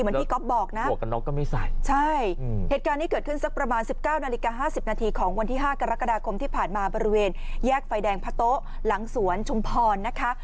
ที่ก๊อฟบอกนะหมวกกันน็อกก็ไม่ใส่ใช่เหตุการณ์นี้เกิดขึ้นสักประมาณ๑๙นาฬิกา๕๐นาทีของวันที่๕กรกฎาคมที่ผ่านมาบริเวณแยกไฟแดงพระโต๊ะหลังสวนชุมพรนะคะ